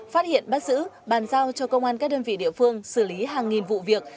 phát hiện bắt giữ bàn giao cho công an các đơn vị địa phương xử lý hàng nghìn vụ việc